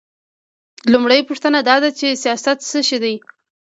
لومړۍ پوښتنه دا ده چې سیاست څه شی دی؟